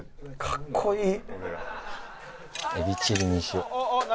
かっこいい！」